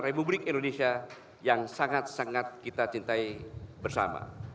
republik indonesia yang sangat sangat kita cintai bersama